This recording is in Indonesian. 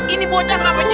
ini bocot pak peci